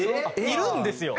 いるんですよ。